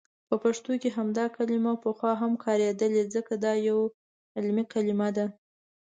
په پښتو کې همدا کلمه پخوا هم کاریدلي، ځکه دا یو علمي کلمه ده.